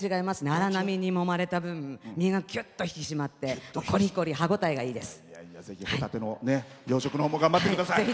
荒波にもまれた分身が引き締まってコリコリ歯応えがいいです。